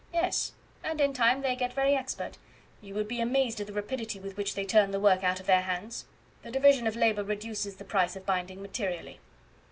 "Yes; and in time they get very expert. You would be amazed at the rapidity with which they turn the work out of their hands. The division of labour reduces the price of binding materially."